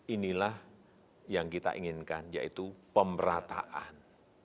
inilah yang kita inginkan yaitu pemerataan